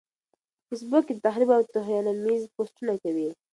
فېس بوک کې تخريب او توهيناميز پوسټونه کوي.